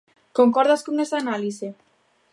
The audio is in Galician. Concordas con esa análise?